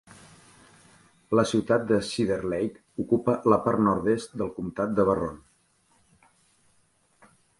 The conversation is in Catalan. La ciutat de Cedar Lake ocupa la part nord-est del comptat de Barron.